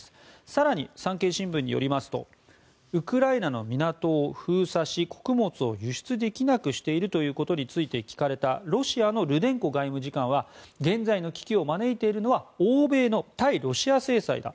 更に産経新聞によりますとウクライナの港を封鎖し穀物を輸出できなくしていることについて聞かれたロシアのルデンコ外務次官は現在の危機を招いているのは欧米の対ロシア制裁だ。